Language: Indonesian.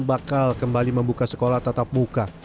yang bakal kembali membuka sekolah tetap buka